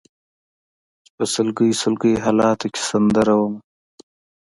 چې په سلګۍ سلګۍ حالاتو کې سندره ومه